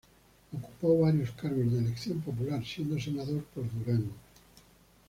Ocupó varios cargos de elección popular, siendo senador por Durango.